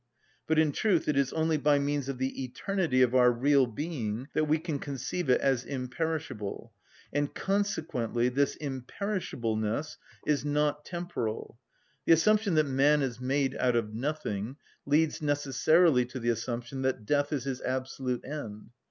But in truth it is only by means of the eternity of our real being that we can conceive it as imperishable, and consequently this imperishableness is not temporal. The assumption that man is made out of nothing leads necessarily to the assumption that death is his absolute end.